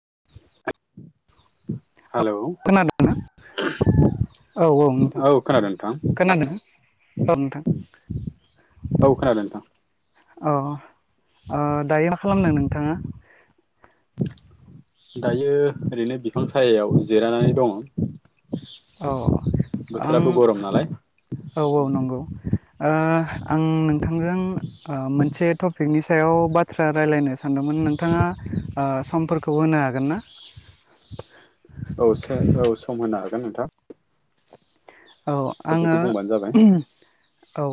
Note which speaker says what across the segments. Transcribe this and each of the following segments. Speaker 1: [inaudible]
Speaker 2: हेल'
Speaker 1: खोनादों औ औ नोंथां खोनादों। ओ नोंथां
Speaker 2: औ खोनादों नोंथां
Speaker 1: अ ओ दायो मा खालामनो नोंथाङा?
Speaker 2: दायो ओरैनो बिफां सायायाव जिरायनानै दङ।
Speaker 1: औ आं
Speaker 2: बोथोराबो गरम नालाय
Speaker 1: औ औ नंगौ ओ आं नोंथांजों ओ मोनसे टपिकनि सायाव बाथ्रा रायलायनो सानदोंमोन। नोंथाङा ओ समफोरखौ होनो हागोन ना?
Speaker 2: औ से औ सम होनो हागोन नोंथां।
Speaker 1: औ आङो
Speaker 2: टपिकखौ बुंबानो जाबाय
Speaker 1: औ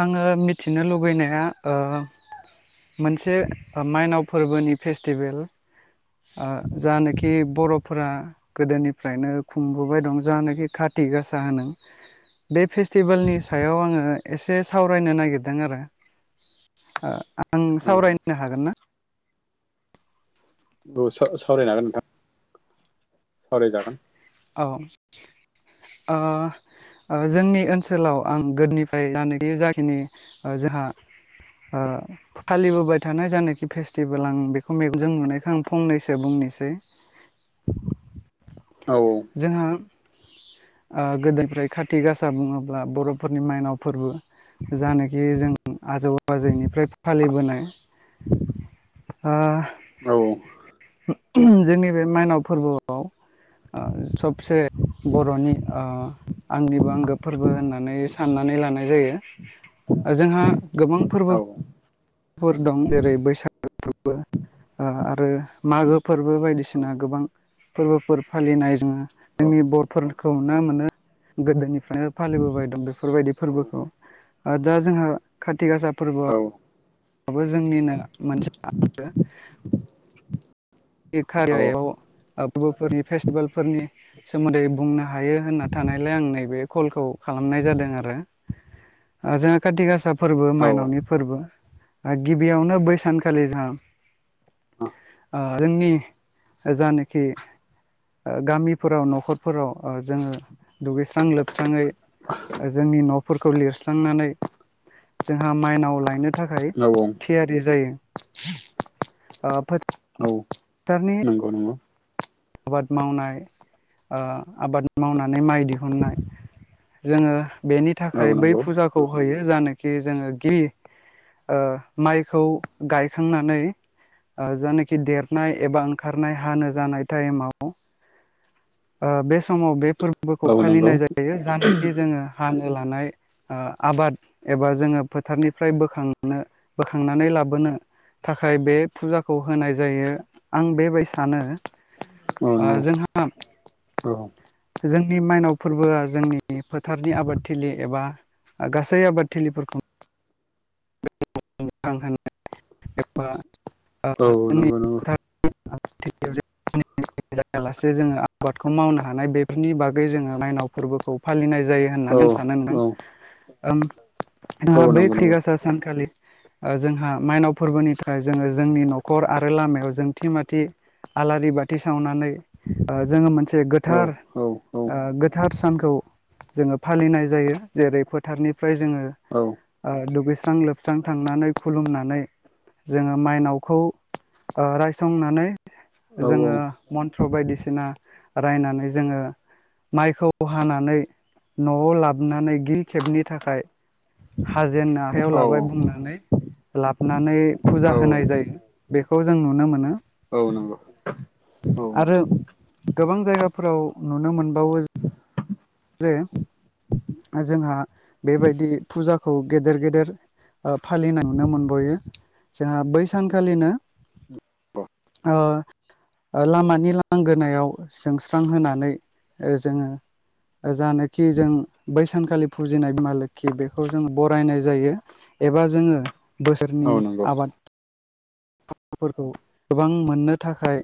Speaker 1: आङो मिथिनो लुबैनाया ओ मोनसे माइनाव फोरबोनि फेस्टिभेल। ओ जानाखि बर'फोरा गोदोनिफ्रायनो खुंबोबाय दं जानाखि खाथ थि गासा होनो। बे फेस्टिभेलनि सायाव आङो एसे सावरायनो नागिरदों आरो। ओ आं
Speaker 2: औ
Speaker 1: सावरायनो हागोन ना?
Speaker 2: औ सावरायनो हागोन नोंथां। सावराय जागोन।
Speaker 1: औ। ओ ओ जोंनि ओनसोलाव आं गोदनिफ्राय जाखिनि जाखिनि जो था ओ फालिबोबाय थानाय जायनाखि फेस्टिभेल आं बेखौ जों नुनायखाय आं फंनैसो बुं निसै
Speaker 2: औ
Speaker 1: जोंहा ओ गोदोनिफ्राय खाथि गासा बुङोब्ला बर'फोरनि माइनाव फोरबो। जानोखि जों आजौ आजैनिफ्राय फालिबोनाय। ओ
Speaker 2: औ
Speaker 1: जोंनि बे माइनाव फोरबोआव [unintelligible] सबसे बर'नि ओ आंगनिबो आंगो फोरबो होननानै साननानै लानाय जायो। जोंहा गोबां फोरबो
Speaker 2: औ औ
Speaker 1: फोर दं जेरै बैसागो फोरबो ओ आरो मागो फोरबो बायदिसिना गोबां फोरबोफोर फालिनाय जोङो जोंनि बर'फोरखौ नुनो मोनो। गोदोनिफ्रायनो फालिबोबाय दं बेफोरबायदि फोरबोखौ। दा जोंहा खारथि गासा
Speaker 2: औ
Speaker 1: फोरबोआव याबो जोंनिनो मोनसे आंगो। [unintelligible] फोरबोफोरनि फेस्टिभेलफोरनि सोमोन्दै बुंनो हायो होनना थानायलाय आं नैबे कलखौ खालामनाय जादों आरो ओ जोंहा खाथि गासा फोरबो
Speaker 2: औ
Speaker 1: माइनावनि फोरबो। ओ गिबियावनो बै सानखालि जोंहा
Speaker 2: औ
Speaker 1: ओ जोंनि जानोखि ओ गामिफोराव न'खरफोराव ओ जोङो दुगैस्रां लोबस्राङै जोंनि न'फोरखौ लिरस्रांनानै जोंहा माइनाव लायनो थाखाय
Speaker 2: नंगौ
Speaker 1: थियारि जायो। थारनि
Speaker 2: नंगौ
Speaker 1: आबाद मावनाय ओ आबाद मावनानै माइ दिहुननाय जोङो बेनि
Speaker 2: औ
Speaker 1: थाखाय बै
Speaker 2: नंगौ
Speaker 1: फुजाखौ होयो जानोखि जोङो खि ओ माइखौ गायखांनानै जानोखि देरनाय एबा ओंखारनाय हानो जानाय टाइमाव ओ बे समाव बे फोरब बोखौ
Speaker 2: औ नंगौ
Speaker 1: फालिनाय जायो जानोखि जोङो हानो लानाय ओ आबाद एबा जोङो फोथारनिफ्राय बोखांनो बोखांनानै लाबोनो थाखाय बे फुजाखौ होनाय जायो आं बेबाय सानो।
Speaker 2: औ नंगौ।
Speaker 1: आ
Speaker 2: औ
Speaker 1: जोंनि मायनाव फोरबोआ जोंनि फोथारनि आबादथिलि एबा गासै आबादथिलिफोरखौ [unintelligible] एबा ओ
Speaker 2: औ
Speaker 1: जोंनि
Speaker 2: नंगौ नंगौ।
Speaker 1: [unintelligible] जायालासे जोङो आबादखौ मावनो हानाय बेफोरनि बागै जोङो माइनाव फोरबोखौ फालिनाय जायो।
Speaker 2: औ
Speaker 1: होननानै सानो होनदों
Speaker 2: औ
Speaker 1: ओम जोंहा
Speaker 2: औ
Speaker 1: बै
Speaker 2: नंगौ
Speaker 1: खाथि
Speaker 2: नंगौ
Speaker 1: गासा सानखालि जोंहा माइनाव, फोरबोनिफ्राय जोङो जोंनि न'खर आरो लामायाव जोंथि माथि, आलारि बाथि सावनानै जोङो मोनसे
Speaker 2: औ
Speaker 1: गोथार,
Speaker 2: औ
Speaker 1: ओ गोथार सानखौ जोङो फालिनाय जायो जेरै फोथारनिफ्राय जोङो,
Speaker 2: औ
Speaker 1: दुगैस्रां लोबस्रां थांनानै खुलुमनानै, जोङो माइनावखौ रायसंनानै
Speaker 2: औ
Speaker 1: जोङो
Speaker 2: औ
Speaker 1: मन्त्र बायदिसिना रायनानै जोङो, माइखौ हानानै न'आव लाबोनानै गि खेबनि थाखाय हाजेन आखाइयाव
Speaker 2: औ
Speaker 1: लाबाय बुंनानै, लाबोनानै फुजा होनाय
Speaker 2: औ
Speaker 1: जायो बेखौ जों नुनो मोनो।
Speaker 2: औ नंगौ औ
Speaker 1: आरो
Speaker 2: नंगौ
Speaker 1: गोबां जायगाफोराव नुनो मोनबावो जे जोंहा बेबायदि फुजाखौ गेदेर गेदेर, फालिनाय नुनो मोनबयो जोंहा बै सानखालिनो, ओ लामानि लांगोनायाव जोंस्रां होनानै जोङो, जानिखि जों बैसानखालि फुजिनाय बिमा लोक्खि बेखौ जों बरायनाय जायो एब एबा जोङो बोसोरनि
Speaker 2: औ नंगौ
Speaker 1: आबाद, फोरखौ गोबां मोननो थाखाय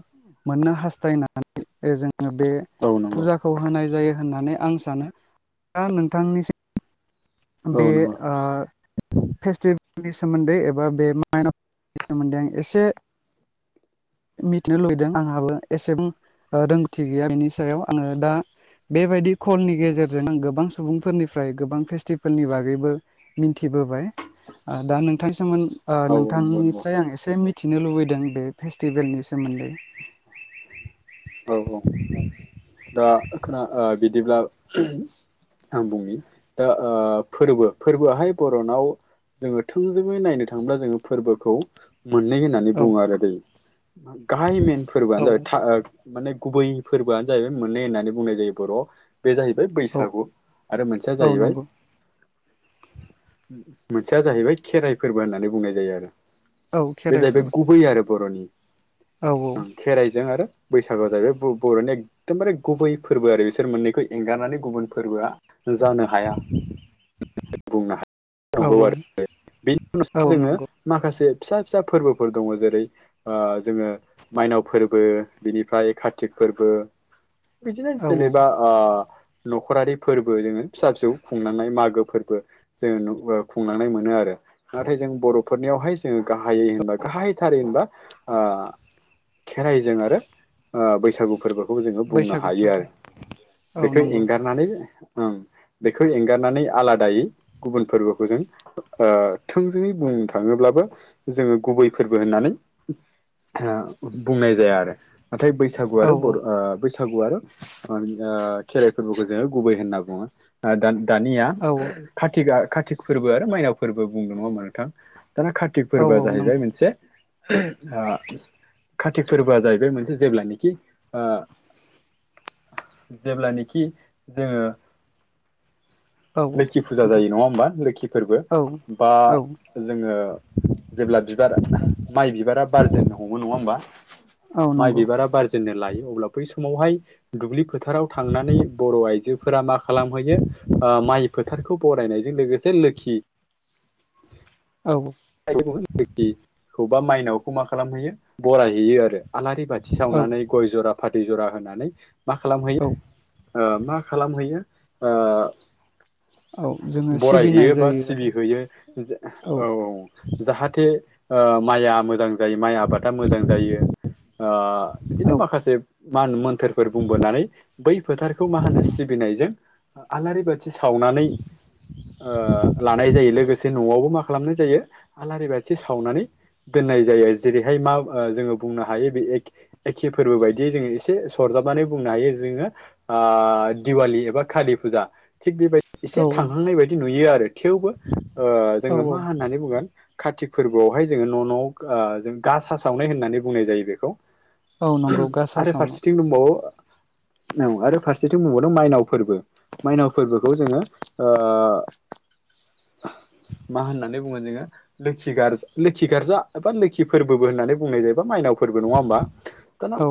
Speaker 1: मोननो हास्थायनानै जोङो बे
Speaker 2: औ नंगौ
Speaker 1: फुजाखौ होनाय जायो होननानै, आं सानो ।दा नोंथांनिसिम,
Speaker 2: औ
Speaker 1: बे
Speaker 2: नंगौ औ
Speaker 1: फेस्टिभेलनि सोमोन्दै एबा बे माइनाव, सोमोनदै आं एसे मिथिनो लुुबैदों आंहाबो एसेबां रोंगौथि गैया बिनि सायाव आङो दा बेबायदि, कलनि गेजेरजों आं गोबां सुबुंफोरनिफ्राय गोबां फेस्टिभेलनि बागैबो मिथिबोबाय, दा नोंथांनि सोमोन
Speaker 2: औ नंगौ नंगौ
Speaker 1: नोंथांनिफ्राय आं एसे मिथिनो लुबैदों बे फेस्टिभेलनि सोमोन मोन्दों,
Speaker 2: औ औ दा खोना बिदिब्ला, आं बुंनि दा ओ फोरबो फोरबो आवहाय बर'नाव, जोङो थोंजोङै नायनो थाङोब्ला जोङो फोरबोखौ मोननै होननानै
Speaker 1: औ
Speaker 2: बुङो आरो दै गाहाय मेन फोरबोआनो जाबाय था
Speaker 1: औ
Speaker 2: माने गुबै फोरबोआनो जाहैबाय मोननै होननानै बुंनाय जायो बर' बे जाहैबाय बैसागु आरो मोनसेया
Speaker 1: औ
Speaker 2: जाहैबाय।
Speaker 1: नंगौ
Speaker 2: मोनसेया जाहैबाय खेराइ फोरबो होननानै बुंनाय जायो आरो
Speaker 1: औ
Speaker 2: बे
Speaker 1: खेराइ
Speaker 2: जाहैबाय
Speaker 1: फोरबो
Speaker 2: गुबै आरो बर'नि।
Speaker 1: औ
Speaker 2: खेराइजों आरो बैसागु जाहैबाय बर'नि एकदमबारे गुबै फोरबो आरो बिसोर मोननैखौ एंगारनानै गुबुन फोरबोआ जानो हाया बुंनो हा
Speaker 1: औ
Speaker 2: नोंगौ आरो बेनि
Speaker 1: औ
Speaker 2: उनावसो जोङो
Speaker 1: नंगौ
Speaker 2: माखासे, फिसा फिसा फोरबोफोर दङ जेरै ओ जोङो मायनाव फोरबो बिनिफ्राय कारतिक फोरबो बिदिनो
Speaker 1: औ औ
Speaker 2: जेनेबा ओ न'खरारि फोरबो जोङो फिसा फिसौ खुंलांनाय मागो फोरबो जोङो खुंलांनाय मोनो आरो नाथाय जों बर'फोरनियावहाय जोङो गाहायै होनबा गाहायथारै होनबा ओ खेराइजों आरो ओ बैसागु फोरबोखौ जोङो बुंनो
Speaker 1: बैसागु
Speaker 2: हायो
Speaker 1: फोरबो
Speaker 2: आरो
Speaker 1: औ
Speaker 2: बेखौ
Speaker 1: नंगौ
Speaker 2: एंगारनानै ओं बेखो एंगारनानै आलादायै गुबुन फोरबोखौ जों थोंजोङै बुंनो थाङोब्ला, बो जोङो गुबै फोरबो होननानै ओ बुंनाय जाया। नाथाय बैसागु
Speaker 1: औ
Speaker 2: आरो बर' बै बैसागु आरो खेराइ फोरबोखौ जोङो गुबै होनना बुङो [unintelligible] दानिया
Speaker 1: औ
Speaker 2: कतिकआ कातिक फोरबो आरो माइनाव फोरबो बुंदों नङा हानबा नोंथां? दाना कार्तिक
Speaker 1: औ
Speaker 2: फोरबोआ
Speaker 1: औ
Speaker 2: जाहैबाय
Speaker 1: नंगौ
Speaker 2: मोनसे ओ कार्तिक फोरबोआ जाहैबाय मोनसे जेब्लानखि ओ जेब्लानाखि जोङो
Speaker 1: औ
Speaker 2: लोखि फुजा
Speaker 1: नोंथां
Speaker 2: जायो नङा होमबा लोखि फोरबो
Speaker 1: औ
Speaker 2: बा
Speaker 1: औ
Speaker 2: जोङो जेब्ला बिबार माइ बिबारा बारजेननो हमो नङा होमबा?
Speaker 1: औ
Speaker 2: माइ
Speaker 1: नंगौ
Speaker 2: बिबारा बारजेननो लायो अब्ला बै समावहाय दुब्लि फोथाराव थांनानै बर' आइजोफोरा मा खालामहैयो ओ‌ माइ फोथारखौ बराय नाय लोगोसे लोखि
Speaker 1: [inaudible] औ
Speaker 2: [unintelligible] बा मनाव मा खालाम हैयो आरो आलारि बाथि
Speaker 1: औ
Speaker 2: सावनानै गय जरा फाथै दै जरा होनानै मा
Speaker 1: औ
Speaker 2: खालामयो मा खालामहैयो?
Speaker 1: औ जोङो सिबिनाय
Speaker 2: बरायहैयो बा
Speaker 1: जायो आरो
Speaker 2: सिबिहैयो औ औ जाहाथे ओ माइआ मोजां जायो माइ आबादा मोजां जायो। ओ बिदिनो
Speaker 1: औ
Speaker 2: माखासे मान मोन्थोरफोर बुंबोनानै बै फोथारखौ मा होनो सिबिनो नै जों आलारि बाथ थि सावनानै ओ‌ लानाय जायो लोगोसे न'आवबो माख खालामनाय जायो आलारि बाथि सावनानै दोननाय जायो जेरैहाय मा जोङो बुंनो हायो बे एखे फोरबो बायदियै जोङो एसे सरजाबनानै बुंनो हायो जोङो ओ दिवालि एबा कालि फुजा थिग बेबायदि
Speaker 1: औ
Speaker 2: एसे
Speaker 1: औ
Speaker 2: थांहांनाय बायदि नुयो आरो थेवबो ओ
Speaker 1: औ
Speaker 2: जोङो मा होननानै बुगोन कातिक फोरबोआवहाय जोङो न' न' ओ जों गासा सावनाय होननानै बुंनाय जायो बेखौ।
Speaker 1: औ नंगौ गासा
Speaker 2: आरो
Speaker 1: सावनाय
Speaker 2: फारसेथिं दंबावो औ आरो फारसेथिं बुंबावदों माइनाव फोरबो माइनाव फोरबोखौ जोङो ओ
Speaker 1: [inaudible]
Speaker 2: मा होननानै बुङो जोङो लोखि गार्जा लोखि गार्जा एबा लोखि फोरबो होननानै बुंनाय जायोबा माइनाव फोरबो नङा ओमबा
Speaker 1: औ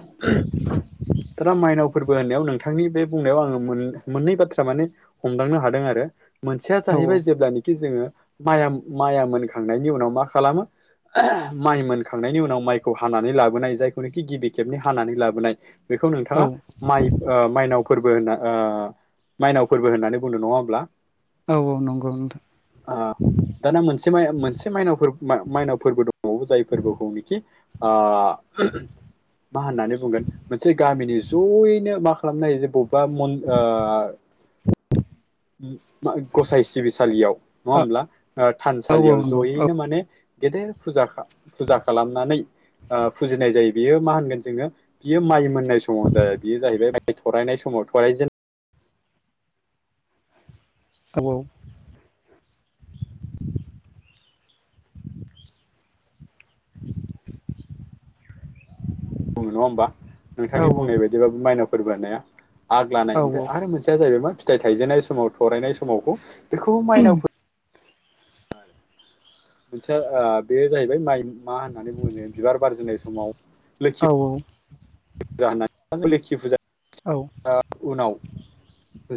Speaker 2: [unintelligible] दाना मायनाव फोरबो होननायाव नोंथांनि बे बुंनायाव आङो मोननै बाथ्रा माने हमदांनो हादों आरो मोनसेया
Speaker 1: औ
Speaker 2: जाहैबाय जेब्लानोखि जोङो माइ माइया मोनखांनायनि उनाव मा खालामो? माइ मोनखांनायनि उनाव माइखौ हानानै लाबोनाय जायखौनोखि गिबि खेबनि हानानै लाबोनाय बेखौ
Speaker 1: औ
Speaker 2: नोंथाङा माइ ओ माइनाव फोरबो होनना‌ ओ माइनाव फोरबो होननानै बुंनो नङा होमब्ला?
Speaker 1: औ नंगौ नोंथां
Speaker 2: ओ‌ दाना मोनसे माय मोनसे मनाव माइनावफोरबो दं जाय फोरबोखौनोखि ओ मा होननानै बुंगोन मोनसे गामिनि जयैनो मा खालामनो हायो जे बबेबा ओ ग'साइ सिबिसालियाव नङा होमब्ला
Speaker 1: औ
Speaker 2: थानसालियाव
Speaker 1: नंगौ औ
Speaker 2: जयैनो माने गेदेर फुजा फुजा खालामनानै फुजिनाय जायो बियो मा होनगोन जोङो बियो माइ मोनि नाय समाव जाया बेयो जाहैबाय माइ थरायनाय समाव थरायजेन
Speaker 1: आब' [inaudible]
Speaker 2: बुङो नङा होमबा
Speaker 1: औ
Speaker 2: नोंथांनि बुंनाय बायदिबाबो माइनाव फोरबोनाया आग लानाय
Speaker 1: औ
Speaker 2: ओमफ्राय आरो मोनसेया जाहैबाय मा फिथाइ थायजेननाय समाव थरायनाय समावखौ बेखौ माइनावफोर मोनसेया बे जाहैबाय माइ मा होननानै बुङो जों बिबार बारजिनाय समाव लोखि
Speaker 1: औ औ
Speaker 2: [unintelligible] लोखि फुजा ओ उनाव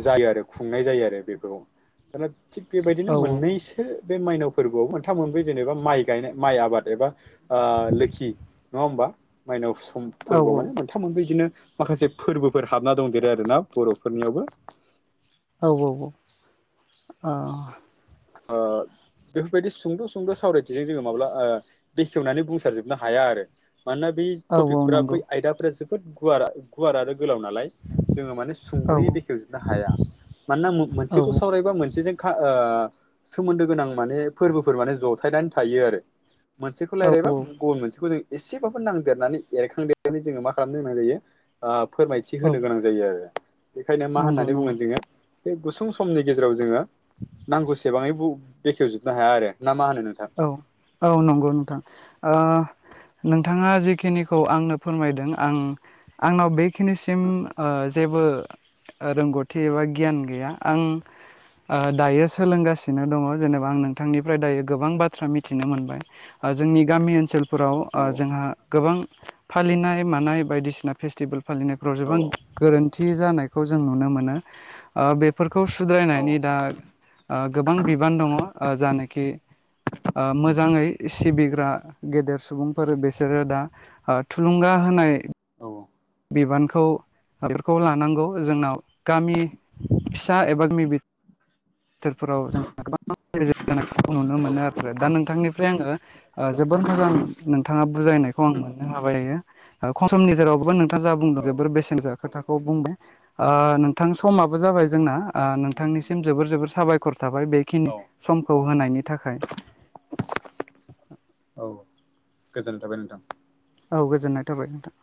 Speaker 2: जायो आरो खुंनाय जायो आरो बेफोरखौ दाना थिग बेबायदिनो मोननैसो बे माइनाव फोरबोयाव मोनथाम मोनब्रै जेनेबा माइ गायनाय माइ आबाद एबा ओ लोखि नङा ओमबा। माइनाव सम फोरबो माने थाम मोनब्रै बिदिनो माखासे फोरबो फोर हाबना दंदेरो आरोना बरफोरनि यावबो।
Speaker 1: औ औ औ ओ
Speaker 2: ओ बेफोर बायदि सुंद' सुंद' सावराय थिजों जोङो माब्ला ओ बेखेवनानै बुंसार जोबनो हाया आरो। मानोना बै
Speaker 1: औ
Speaker 2: टपिक
Speaker 1: औ
Speaker 2: फोरा बै
Speaker 1: नंगौ
Speaker 2: आयदा फोरा जोबोद गुवार गुवार आरो गोलाव नालाय जोङो माने
Speaker 1: औ
Speaker 2: सुंदयै बेखेव जोबनो हाया। मानोना मोब
Speaker 1: औ
Speaker 2: मोनसेखौ सावरायबा मोनसेजों खा आ सोमोन्दो गोनां माने फोरबो फोर माने जथायनानै थायो आरो। मोनसेखौ लायरायबा
Speaker 1: औ
Speaker 2: गुबुन मोनसेखौ जों एसेबाबो नांदेरनानै एरखां देरनानै जोङो मा खालामनो गोनां जायो ओ फोरमायथि
Speaker 1: औ
Speaker 2: होनो गोनां जायो आरो बेखायनो मा
Speaker 1: नंगौ
Speaker 2: होननानै बुङो
Speaker 1: नंगौ
Speaker 2: जोङो बे गुसुं समनि गेजेराव जोङो नांगौसे बाङै बेखेव जोबनो हाया आरो। ना मा होनो नोंथां
Speaker 1: औ औ नंगौ नोंथां ओ नोंथाङा जिखिनिखौ आंनो फोरमायदों आं आंनाव बे खिनिसिम ओ जेबो रोंगौथि एबा गियान गैया आं ओ दायो सोलोंगासिनो दङ जेनेबा आं नोंथां निफ्राय दायो गोबां बाथ्रा मिथिनो मोनबाय जोंनि गामि ओनसोल फोराव
Speaker 2: औ
Speaker 1: ओ जोंहा गोबां फालिनाय मानाय बायदिसिना फेस्टिबेल फालिनायफ्राव
Speaker 2: औ
Speaker 1: जोबां गोरोन थि जानायखौ जों नुनो मोनो ओ बेफोरखौ सुद्राय
Speaker 2: औ
Speaker 1: नायनि दा ओ गोबां बिबान दङ ओ जा नाखि ओ मोजाङै सिबिग्रा गेदेर सुबुंफोर बिसोरो दा ओ थुलुंगा होना नाय बिबानखौ बेफोरखौ लानांगौ जोंनाव गामि फिसा एबा मिबि थोर फोराव जोंहा [unintelligible] गोबां [unintelligible] जानायखौ नुनो
Speaker 2: औ
Speaker 1: मोनो आरो दा नोंथां निफ्राय आङो जोबोर मोजां नोंथाङा बुजाय नायखौ आं मोननो हाबाय दायो ओ खम समनि गेजेरावबो नो जा बुंदों
Speaker 2: औ
Speaker 1: जोबोर बेसेन [unintelligible] जा
Speaker 2: नंगौ
Speaker 1: खोथाखौ बुंदों ओ नोंथां समाबो जाबाय जोंना। ओ नोंथां निसिम जोबोर जोबोर साबायखर थाबाय बेखिनि
Speaker 2: औ
Speaker 1: समखौ होनायनि थाखाय।
Speaker 2: औ गोजोन थाबाय नोंथां।
Speaker 1: औ गोजोननाय थाबाय नोंथां।